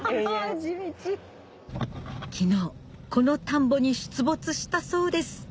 昨日この田んぼに出没したそうです